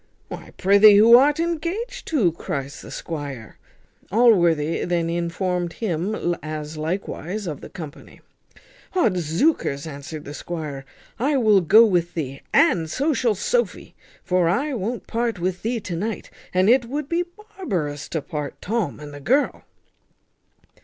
"Why, prithee, who art engaged to?" cries the squire. Allworthy then informed him, as likewise of the company. "Odzookers!" answered the squire, "I will go with thee, and so shall Sophy! for I won't part with thee to night; and it would be barbarous to part Tom and the girl."